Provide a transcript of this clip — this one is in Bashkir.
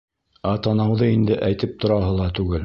Ә танауҙы инде әйтеп тораһы ла түгел!